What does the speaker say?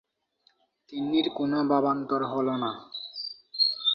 তিন্নির কোনো ভাবান্তর হল না।